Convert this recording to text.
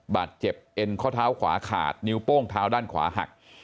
บาดเจ็บเอ็นข้อเท้าขวาขาดนิ้วโป้งเท้าด้านขวาหัก